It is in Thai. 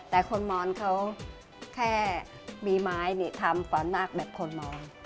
แต่คนมรเขาแค่มีไม้ทำฝันหน้าแบบคนมร